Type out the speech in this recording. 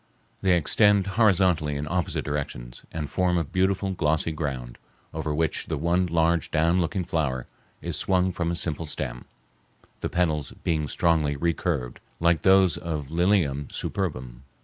They extend horizontally in opposite directions, and form a beautiful glossy ground, over which the one large down looking flower is swung from a simple stem, the petals being strongly recurved, like those of Lilium superbum.